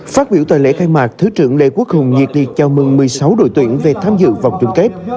phát biểu tại lễ khai mạc thứ trưởng lê quốc hùng nhiệt liệt chào mừng một mươi sáu đội tuyển về tham dự vòng chung kết